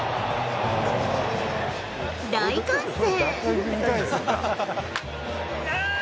大歓声。